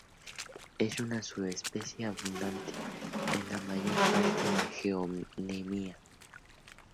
Es una subespecie abundante en la mayor parte de su geonemia.